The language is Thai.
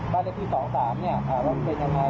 บ้านที่๒๓เนี่ยว่ามันเป็นยังไง